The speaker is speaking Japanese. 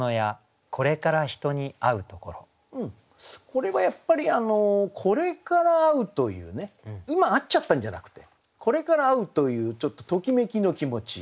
これはやっぱり「これから会う」というね今会っちゃったんじゃなくてこれから会うというちょっとときめきの気持ち。